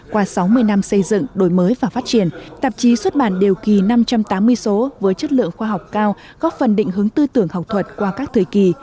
qua sáu mươi năm xây dựng đổi mới và phát triển tạp chí xuất bản điều kỳ năm trăm tám mươi số với chất lượng khoa học cao góp phần định hướng tư tưởng học thuật qua các thời kỳ